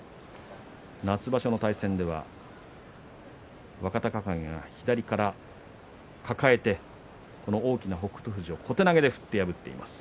夏場所の対戦では若隆景が左から抱えてこの大きな北勝富士を小手投げで破っています。